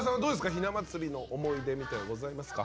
ひな祭りの思い出ございますか？